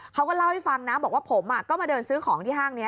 เขาก็เล่าให้ฟังนะบอกว่าผมก็มาเดินซื้อของที่ห้างนี้